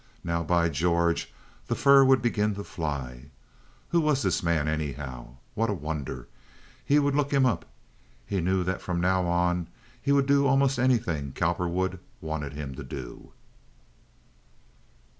Now, by George, the fur would begin to fly! Who was this man, anyhow? What a wonder! He would look him up. He knew that from now on he would do almost anything Cowperwood wanted him to do.